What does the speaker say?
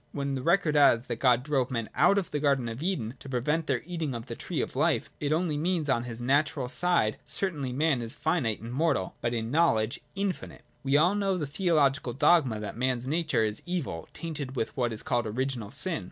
When the record adds that God drove men out of the Garden of Eden to prevent their eating of the tree of life, it only means that on his natural side certainly man is finite and mortal, but in knowledge infinite. We all know the theological dogma that man's nature is evil, tainted with what is called Original Sin.